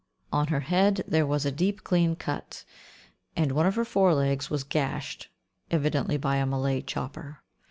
On her head there was a deep clean cut, and one of her fore legs was gashed, evidently by a Malay chopper.